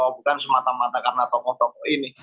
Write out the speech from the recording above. bukan semata mata karena tokoh tokoh ini